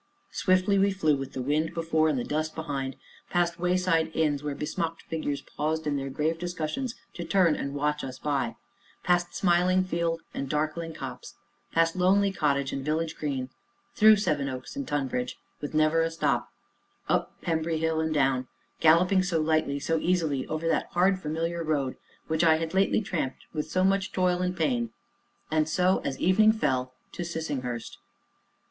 Swift we flew, with the wind before, and the dust behind, past wayside inns where besmocked figures paused in their grave discussions to turn and watch us by; past smiling field and darkling copse; past lonely cottage and village green; through Sevenoaks and Tonbridge, with never a stop; up Pembry hill, and down, galloping so lightly, so easily, over that hard, familiar road, which I had lately tramped with so much toil and pain; and so, as evening fell, to Sissinghurst.